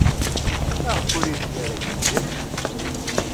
Maɣef ur iri ara Yidir?